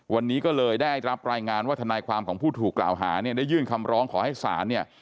วันนี้ก็เลยได้รับรายงานว่าทนายความของผู้ถูกกล่าวหาเนี่ยได้ยื่นคำร้องขอให้ศาลเนี่ย